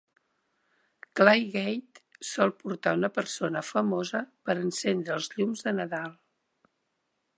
Claygate sol portar una persona famosa per encendre els llums de Nadal.